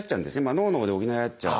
脳のほうで補い合っちゃう。